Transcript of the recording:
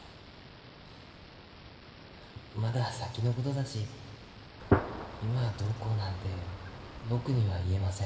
まだ先のことだし今はどうこうなんて僕には言えません。